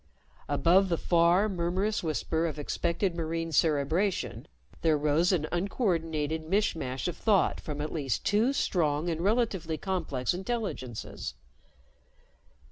Above the far, murmurous whisper of expected marine cerebration there rose an uncoordinated mishmash of thought from at least two strong and relatively complex intelligences.